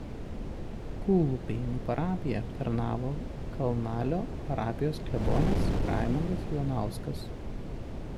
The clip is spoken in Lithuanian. Kūlupėnų parapiją aptarnavo Kalnalio parapijos klebonas Raimondas Jonauskas.